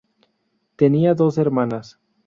Tenía dos hermanas.